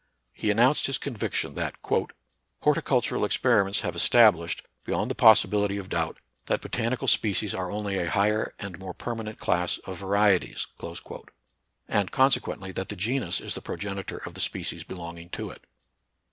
He announced his con viction that "horticultural experiments have estabhshed, beyond the possibility of doubt, 44 NATURAL SCIENCE AND RELIGION. that botanical species are only a higher and more permanent class of varieties," and, con sequently, that the genus is the progenitor of the species belonging to it.